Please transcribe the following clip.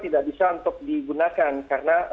tidak bisa untuk digunakan karena